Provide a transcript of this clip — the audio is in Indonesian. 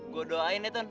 gue doain ya tun